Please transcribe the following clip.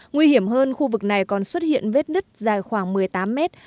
nguy hiểm hơn khu vực này còn xuất hiện vết nứt dài khoảng một mươi tám mét